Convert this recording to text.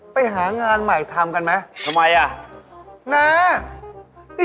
ไปหางานใหม่ทำกันไหม